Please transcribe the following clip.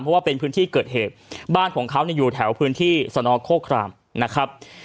เพราะว่าเป็นพื้นที่เกิดเหตุบ้านของเขาอยู่แถวพื้นที่สนโคครามนะครับ